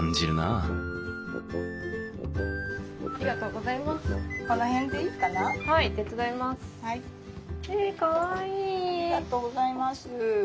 ありがとうございます。